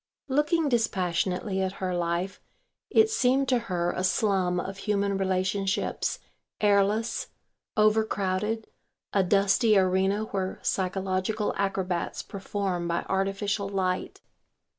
Looking dispassionately at her life, it seemed to her a slum of human relationships, airless, over crowded, a dusty arena where psychological acrobats perform by artificial light.